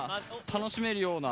楽しめるような。